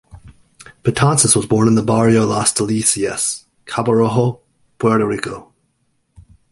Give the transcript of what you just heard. Betances was born in the "Barrio" Las Delicias, Cabo Rojo, Puerto Rico.